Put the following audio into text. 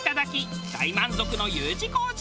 大満足のＵ字工事。